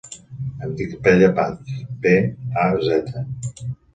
Em dic Bella Paz: pe, a, zeta.